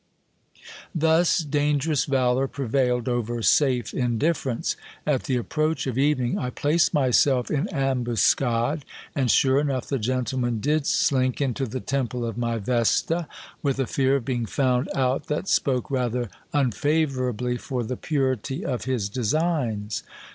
Thus dangerous valour prevailed over safe indifference. At the approach of evening I placed myself in ambuscade ; and sure enough the gentleman did GIL BIAS ADVENTURE WITH THE SURGE OX. 223 slink into the temple of my Vesta, with a fear of being found out that spoke rather unfavourably for the purity of his designs.